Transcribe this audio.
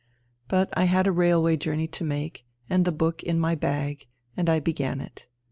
But I had a railway journey to make, and the book in my bag — and I began it.